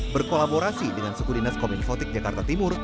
berkolaborasi dengan suku dinas kominfotik jakarta timur